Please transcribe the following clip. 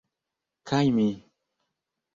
Kaj mi